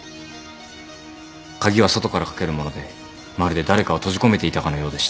鍵は外からかけるものでまるで誰かを閉じ込めていたかのようでした。